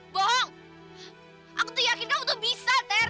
bohong aku tuh yakin kamu tuh bisa ter